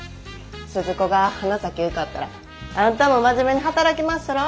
鈴子が花咲受かったらあんたも真面目に働きまっしゃろ？